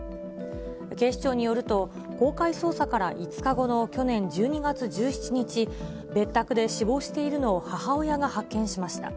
警視庁によると、公開捜査から５日後の去年１２月１７日、別宅で死亡しているのを母親が発見しました。